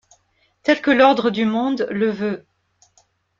tel que l'ordre du monde le veut.